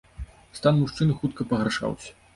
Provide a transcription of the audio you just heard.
Стан мужчыны хутка пагаршаўся.